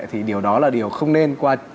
thì điều đó là điều không nên qua